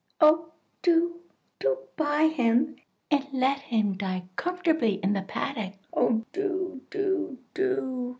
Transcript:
Oh! do, do buy him and let him die comfortably in the paddock. Oh, do, do, do!"